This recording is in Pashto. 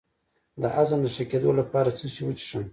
د هضم د ښه کیدو لپاره څه شی وڅښم؟